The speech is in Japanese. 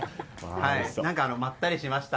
何かまったりしました。